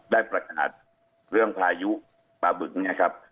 ได้ประกาศเรื่องพายุประบึก